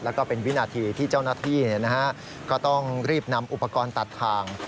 แล้วก็เป็นวินาทีที่เจ้าหน้าที่ก็ต้องรีบนำอุปกรณ์ตัดทาง